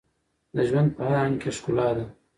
د ژوند په هر رنګ کې ښکلا ده.